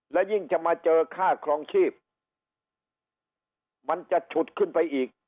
และยิ่งจะมาเจอค่าครองชีพมันจะฉุดขึ้นไปอีก